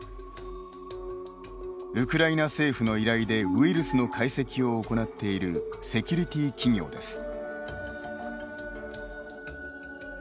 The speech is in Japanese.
ウクライナ政府の依頼でウイルスの解析を行っているセキュリティー企業です。